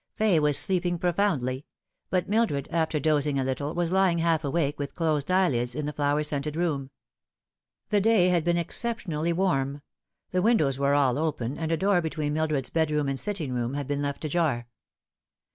Fay was sleeping prof oundly ; but Mildred, after dozing a little, was lying half awake, with closed eyelids, in the flower scented room . The day had been exceptionally warm. The windows were all ^pen, and a door between Mildred's bed room and sitting room had been left ajar.